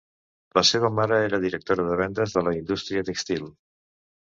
La seva mare era directora de ventes de la indústria tèxtil.